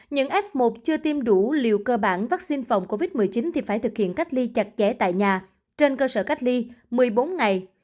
những f một chưa tiêm đủ liều cơ bản vaccine phòng covid một mươi chín thì phải thực hiện cách ly chặt chẽ tại nhà trên cơ sở cách ly một mươi bốn ngày